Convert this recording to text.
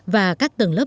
và các tầng lớp